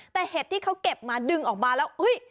แต่เห็ดที่เขาเก็บมาดึงออกมาแล้ว